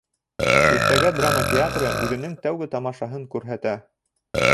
Иртәгә драма театры үҙенең тәүге тамашаһын күрһәтә